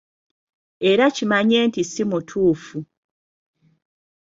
Era kimanye nti si mutuufu.